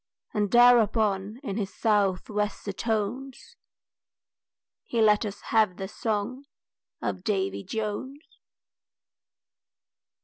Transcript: And thereupon in his south wester tones He let us have the song of Davy Jones.